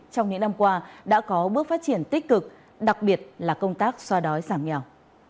trong những năm qua đã có bước phát triển tích cực đặc biệt là công tác xoa đói giảm nghèo